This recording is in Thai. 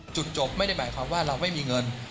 จุดจบไม่ได้หมายความว่าเราไม่มีเงิน